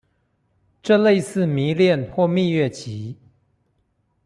這類似迷戀或蜜月期